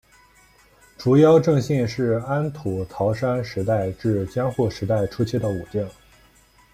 竹腰正信是安土桃山时代至江户时代初期的武将。